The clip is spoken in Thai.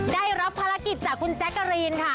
ได้รับภารกิจจากคุณแจ๊กกะรีนค่ะ